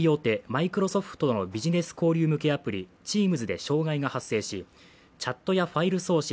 マイクロソフトのビジネス交流向けアプリＴｅａｍｓで障害が発生しチャットやファイル送信